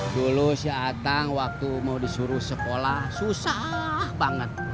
dulu si atang waktu mau disuruh sekolah susah banget